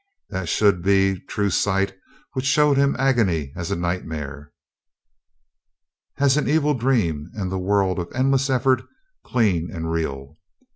That should be true sight which showed him agony as a nightmare, as an evil dream and the world of endless effort clean and real.